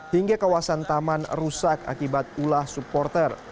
hingga kawasan taman rusak akibat ulah supporter